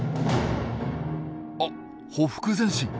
あっ「ほふく前進」。